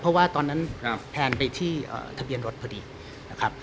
เพราะว่าตอนนั้นแพลนไปที่ทะเบียนรถพอดีนะครับ